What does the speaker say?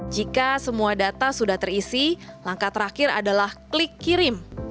jika semua data sudah terisi langkah terakhir adalah klik kirim